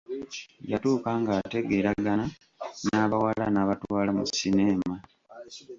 Yatuuka ng'ategeeragana n'abawala n'abatwala mu sinema.